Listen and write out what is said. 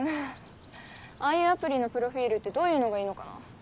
ああいうアプリのプロフィールってどういうのがいいのかな。